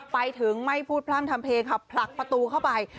ไปถึงไม่พูดพร่ำทำเพลงค่ะผลักประตูเข้าไป